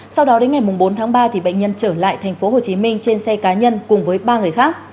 sau đó đến ngày bốn tháng ba bệnh nhân trở lại tp hcm trên xe cá nhân cùng với ba người khác